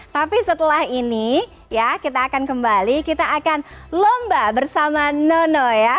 tapi setelah ini ya kita akan kembali kita akan lomba bersama nono ya